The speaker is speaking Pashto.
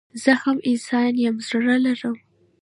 زه هم انسان يم زړه لرم